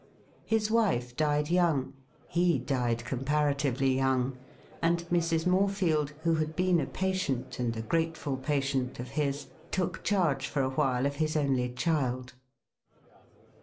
His wife died young — he died comparatively young — and Mrs. Morefield, who had. been a patient, and a grateful patient, of his, took charge for a while of his only child.